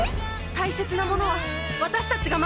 「大切なものは私たちが守る」